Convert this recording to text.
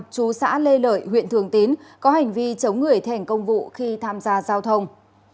chú xã lê lợi huyện thường tín có hành vi chống người thi hành công vụ khi tham gia giao thông